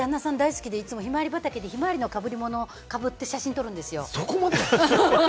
ひまわり畑、旦那さん大好きで、いつもひまわり畑で、ひまわりの被り物をかぶって写真撮るんですよ。